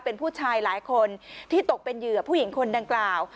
เป็นผู้ชายหลายคนที่ตกเป็นเหยื่อผู้หญิงคนดังกล่าว